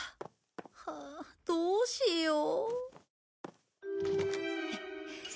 はあどうしよう。